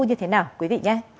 như thế nào quý vị nhé